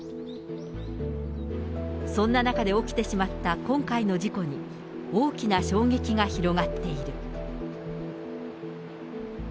そんな中で起きてしまった今回の事故に、大きな衝撃が広がっている。